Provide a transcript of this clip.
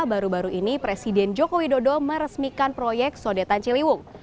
baru baru ini presiden joko widodo meresmikan proyek sodetan ciliwung